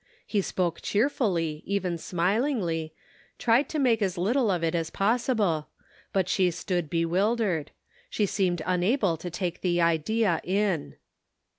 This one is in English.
He spoke cheerfully, even smilingly — tried to make as little of it as possible, but she stood bewil dered; she seemed unable to take the idea in.